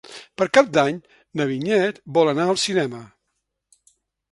Per Cap d'Any na Vinyet vol anar al cinema.